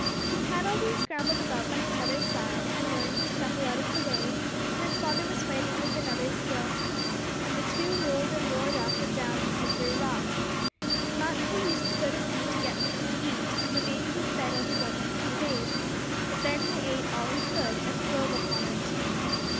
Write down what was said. He paddled and scrambled about by his mother's side, and learned to scuffle out of the way when his father was fighting with another seal, and the two rolled and roared up and down the slippery rocks. Matkah used to go to sea to get things to eat, and the baby was fed only once in two days, but then he ate all he could and throve upon it.